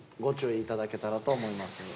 ご注意頂けたらと思います。